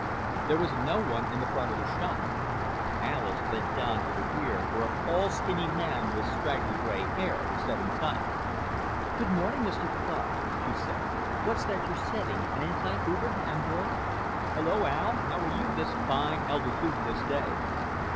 There was no one in the front of the shop. Alis led Don to the rear where a tall skinny man with straggly gray hair was setting type. "Good morning, Mr. Clark," she said. "What's that you're setting an anti Hoover handbill?" "Hello, Al. How are you this fine altitudinous day?"